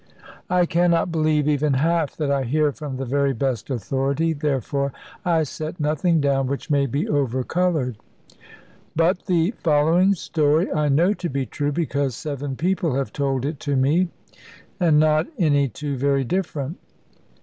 I cannot believe even half that I hear from the very best authority; therefore I set nothing down which may be overcoloured. But the following story I know to be true, because seven people have told it to me, and not any two very different.